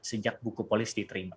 sejak buku polis diterima